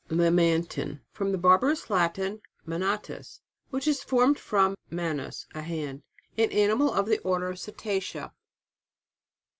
LAMANTIN. From the Barbarous Lat in, manalus, which is formed from manus, a hand. An animal of the Order of Cetacea.